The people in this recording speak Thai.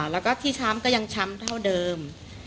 แล้วก็ที่ช้ำก็ยังช้ำเท่าเดิม